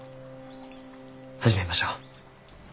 始めましょう。